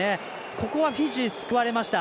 ここはフィジー、救われました。